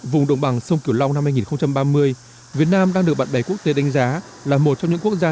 vùng đồng bằng sông cửu long năm hai nghìn ba mươi việt nam đang được bạn bè quốc tế đánh giá là một trong những quốc gia